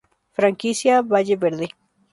Franquicia Valle Verde